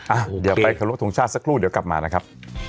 อ่ะเดี๋ยวไปขอรบทรงชาติสักครู่เดี๋ยวกลับมานะครับ